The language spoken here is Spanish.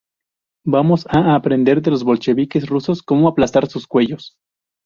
Vamos a aprender de los bolcheviques rusos cómo aplastar sus cuellos.